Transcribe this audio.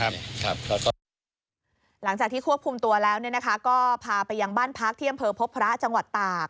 หลังจากที่ควบคุมตัวแล้วก็พาไปยังบ้านพักที่อำเภอพบพระจังหวัดตาก